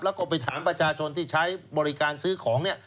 แล้วก็ไปถามประชาชนที่ใช้บริการซื้อของเนี่ย